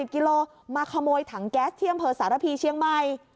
๑๕๐กิโลเมตรมาขโมยถังแก๊สเที่ยงเผิดสารพีเชียงใหม่